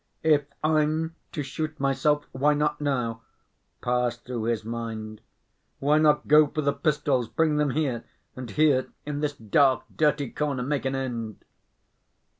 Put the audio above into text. "If I'm to shoot myself, why not now?" passed through his mind. "Why not go for the pistols, bring them here, and here, in this dark dirty corner, make an end?"